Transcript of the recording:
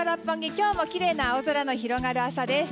今日もきれいな青空の広がる朝です。